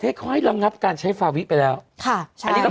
เพื่อไม่ให้เชื้อมันกระจายหรือว่าขยายตัวเพิ่มมากขึ้น